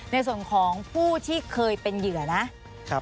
ในส่วนของผู้ที่เคยเป็นเหยื่อนะครับ